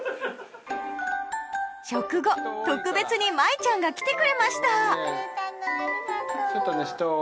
食後特別にまいちゃんが来てくれましたありがとう。